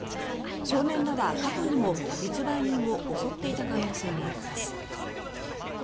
少年らは、過去にも密売人を襲っていた可能性があります。